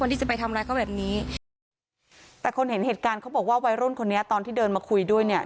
แต่คนเห็นเหตุการณ์เขาบอกว่าไวร่นคนนี้ตอนที่เดินมาคุยด้วยเนี่ย